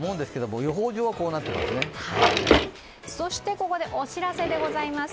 ここでお知らせでございます。